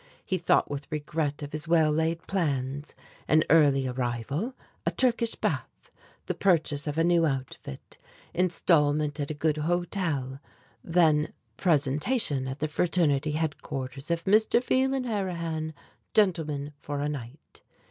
He thought with regret of his well laid plans: an early arrival, a Turkish bath, the purchase of a new outfit, instalment at a good hotel, then presentation at the fraternity headquarters of Mr. Phelan Harrihan, Gentleman for a Night.